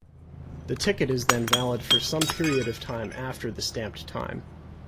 The ticket is then valid for some period of time after the stamped time.